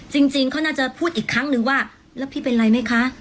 จริงเขาน่าจะพูดอีกครั้งนึงว่าแล้วพี่เป็นอะไรไหมคะ